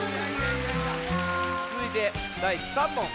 つづいて第３問。